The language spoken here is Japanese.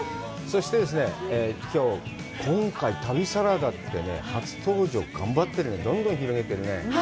そしてですね、きょう、今回旅サラダってね、初登場、頑張ってるね、どんどん広げてるね。